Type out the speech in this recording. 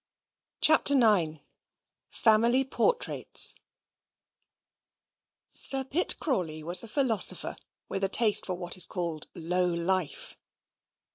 CHAPTER IX Family Portraits Sir Pitt Crawley was a philosopher with a taste for what is called low life.